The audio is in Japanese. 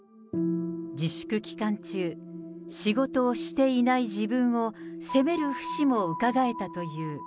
自粛期間中、仕事をしていない自分を責める節もうかがえたという。